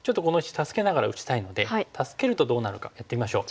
助けながら打ちたいので助けるとどうなるかやってみましょう。